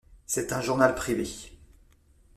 C'est un journal privé.